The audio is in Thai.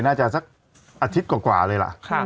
น่าจะอาทิตย์กว่าเลยล่ะ